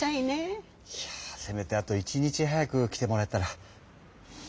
いやぁせめてあと１日早く来てもらえたら。